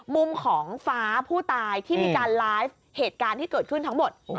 มุมของฟ้าผู้ตายที่มีการไลฟ์เหตุการณ์ที่เกิดขึ้นทั้งหมด